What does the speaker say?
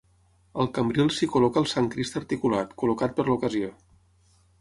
Al cambril s'hi col·loca el Sant Crist articulat, col·locat per l'ocasió.